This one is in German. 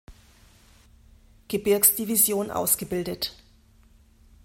Gebirgsdivision ausgebildet.